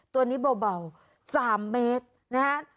ตัวนี้เบา๓เมตรนะฮะ